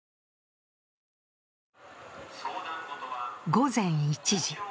午前１時。